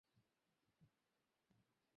আমার আসলে তেমন ক্ষুধা লাগেনি।